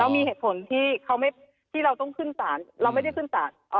มีเหตุผลที่เราต้องขึ้นศาลเราไม่ได้ขึ้นศาล